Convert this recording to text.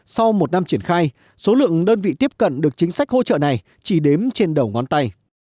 sau một năm triển khai số lượng đơn vị tiếp cận được chính sách hỗ trợ này chỉ đếm trên đầu ngón tay